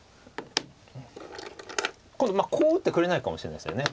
今度こう打ってくれないかもしれないですよね。